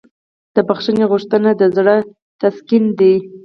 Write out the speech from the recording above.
د بښنې غوښتنه د زړه تسکین دی.